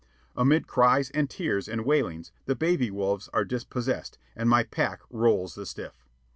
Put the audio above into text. Amid cries and tears and wailings the baby wolves are dispossessed, and my pack rolls the stiff.